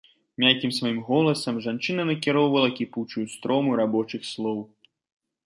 Мяккім сваім голасам жанчына накіроўвала кіпучую строму рабочых слоў.